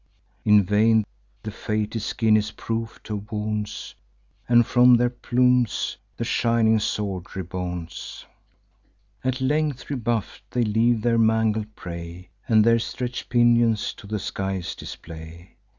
In vain, the fated skin is proof to wounds; And from their plumes the shining sword rebounds. At length rebuff'd, they leave their mangled prey, And their stretch'd pinions to the skies display.